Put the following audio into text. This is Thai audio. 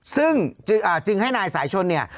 ซึ่งจึงให้นายสายชนเนี่ย